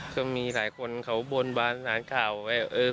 ก็มีหลายคนเขาบวนบานสารข่าวให้ไม่เอ่ย